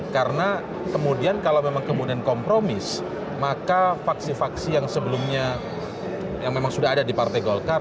karena kemudian kalau memang kemudian kompromis maka faksi faksi yang sebelumnya yang memang sudah ada di partai golkar